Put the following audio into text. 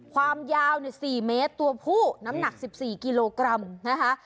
ความยาว๔เมตรตัวผู้น้ำหนัก๑๔กิโลกรัมนะคะ